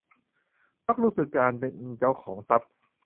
มักรู้สึกถึงการเป็นเจ้าของทรัพย์